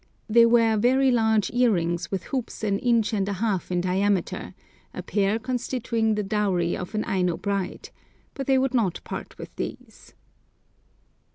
They wear very large earrings with hoops an inch and a half in diameter, a pair constituting the dowry of an Aino bride; but they would not part with these.